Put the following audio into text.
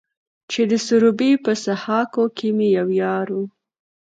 چې د سروبي په سهاکو کې مې يو يار و.